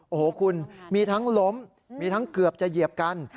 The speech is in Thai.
โอ้โหคุณมีทั้งล้มมีทั้งเกือบจะเหยียบกัน